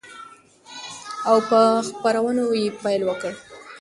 او په خپرونو يې پيل وكړ،